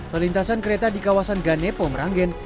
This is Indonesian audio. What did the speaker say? perlintasan kereta di kawasan ganepo meranggen